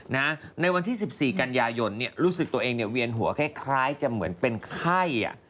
ในวันที่๑๔กันยายนรู้สึกตัวเองเนี่ยเวียนหัวคล้ายจะเหมือนเป็นไข้